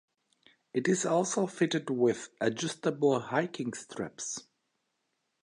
It is also fitted with adjustable hiking straps.